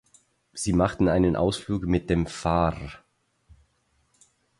Sie machten einen Ausflug mit den Fahrr